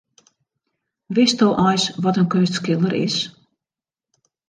Witsto eins wat in keunstskilder is?